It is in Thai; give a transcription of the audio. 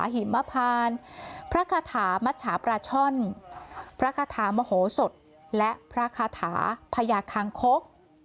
หิมพานพระคาถามัชชาปราช่อนพระคาถามโหสดและพระคาถาพญาคางคก